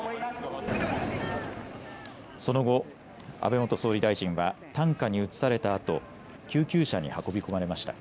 その後、安倍元総理大臣は担架に移されたあと救急車に運び込まれました。